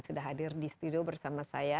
penting sekali ya